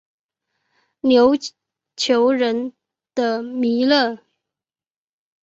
琉球人的弥勒。